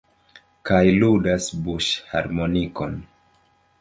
Kaj ludas buŝharmonikon.